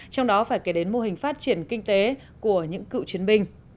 trong đó phải kể đến mô hình phát triển kinh tế của những cựu chiến binh